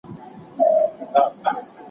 آیا دا يو مهم پيغام نه دی؟